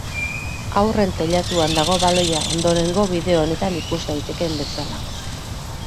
Haurren teilatuan dago baloia ondorengo bideo honetan ikus daitekeen bezala.